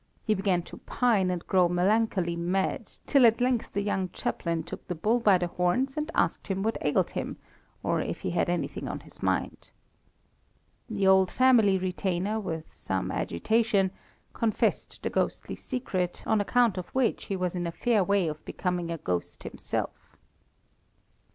He began to pine and grow melancholy mad, till at length the young chaplain took the bull by the horns, and asked him what ailed him, or if he had anything on his mind. "The old family retainer, with some agitation, confessed the ghostly secret, on account of which he was in a fair way of becoming a ghost himself.